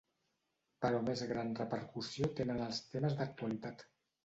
Però més gran repercussió tenen els temes d’actualitat.